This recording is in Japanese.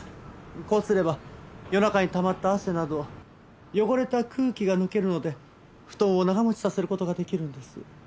こうすれば夜中にたまった汗など汚れた空気が抜けるので布団を長持ちさせる事ができるんです。